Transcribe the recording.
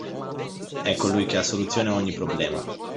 È colui che ha la soluzione a ogni problema.